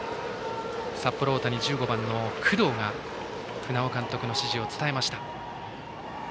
札幌大谷、１５番の工藤が船尾監督の指示を伝えました。